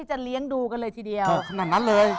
ชุดลายเสือของคุณ